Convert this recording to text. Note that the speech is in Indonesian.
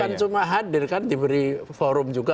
bukan cuma hadir kan diberi forum juga